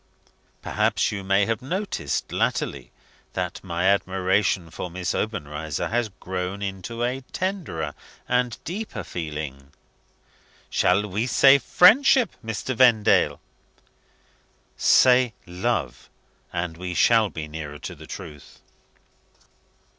"Perhaps you may have noticed, latterly, that my admiration for Miss Obenreizer has grown into a tenderer and deeper feeling ?" "Shall we say friendship, Mr. Vendale?" "Say love and we shall be nearer to the truth."